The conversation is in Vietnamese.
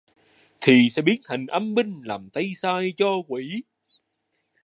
Thì sẽ biến thành âm binh làm tay sai cho quỷ